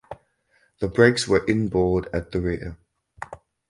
The brakes were inboard at the rear.